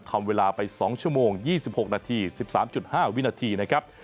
ทำเวลาไป๒ชั่วโมง๒๖นาที๑๓๕วินาทีนะครับ